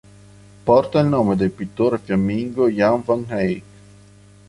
Porta il nome del pittore fiammingo Jan van Eyck.